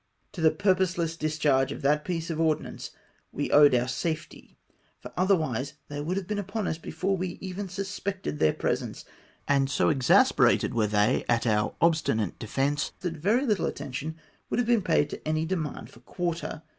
To the purposeless discharge of that piece of ordnance we owed our safety, for otherwise they would have been upon us before we even suspected their presence ; and so exasperated were they at our obstinate defence, that very httle attention would have been paid to any demand for quarter.